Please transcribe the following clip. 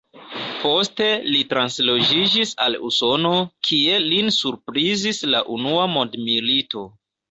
Poste li transloĝiĝis al Usono, kie lin surprizis la unua mondmilito.